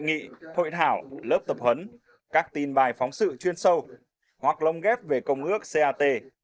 hội nghị hội thảo lớp tập huấn các tin bài phóng sự chuyên sâu hoặc lông ghép về công ước cat